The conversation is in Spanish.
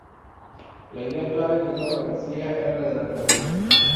La idea clave de Tobar García era la de la prevención.